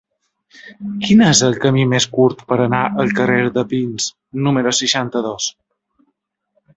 Quin és el camí més curt per anar al carrer de Pins número seixanta-dos?